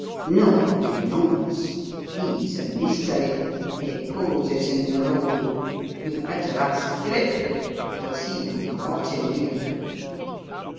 "Nobody knows. He's a mystery. He poses in the role. You'd better ask Philip; it was he who brought him here."